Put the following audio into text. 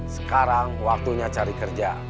sekarang waktunya cari kerja